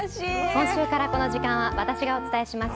今週からこの時間は私がお伝えします